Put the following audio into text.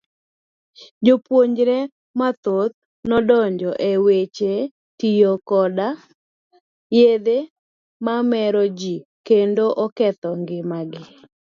Jopuonjre mathoth nodonjo e weche tiyo koda yedhe mameroji kendo oketho ng'ima gi.